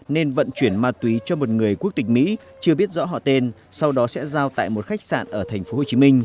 nên vận chuyển ma túy cho một người quốc tịch mỹ chưa biết rõ họ tên sau đó sẽ giao tại một khách sạn ở tp hcm